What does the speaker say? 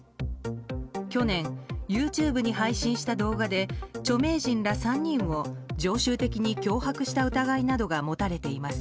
去年、ＹｏｕＴｕｂｅに配信した動画で著名人ら３人を常習的に脅迫した疑いなどが持たれています。